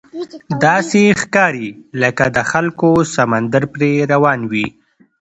داسې ښکاري لکه د خلکو سمندر پرې روان وي.